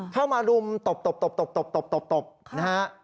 เข้ามารุมตบนะฮะ